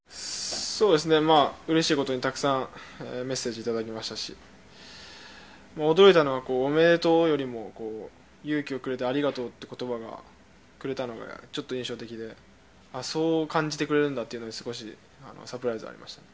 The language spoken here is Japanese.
うれしいことにたくさんメッセージいただきましたし驚いたのは、おめでとうよりも勇気をくれてありがとうという言葉をくれたのがちょっと印象的でそう感じてくれるんだなというのがサプライズになりました。